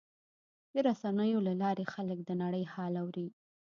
د رسنیو له لارې خلک د نړۍ حال اوري.